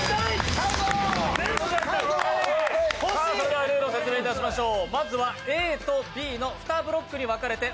それではルールを説明いたしましょう。